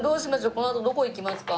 このあとどこ行きますか？